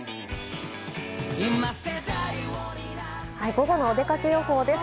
午後のお出かけ予報です。